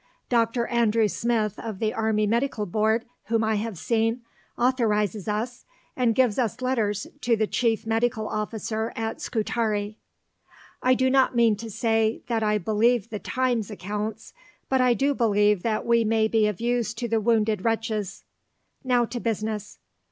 Dr. Andrew Smith of the Army Medical Board, whom I have seen, authorizes us, and gives us letters to the Chief Medical Officer at Scutari. I do not mean to say that I believe the Times accounts, but I do believe that we may be of use to the wounded wretches. Now to business.